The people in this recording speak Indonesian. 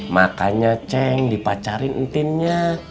makanya ceng dipacarin entinnya